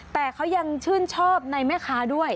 แต่เขายังชื่นชอบในแม่ค้าด้วย